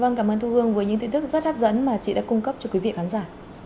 vâng cảm ơn thu hương với những tin tức rất hấp dẫn mà chị đã cung cấp cho quý vị khán giả